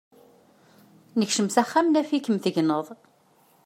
Nekcem s axxam, naf-ikem tegneḍ.